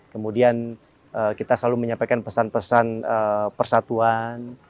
kemudian kita selalu menyampaikan pesan pesan persatuan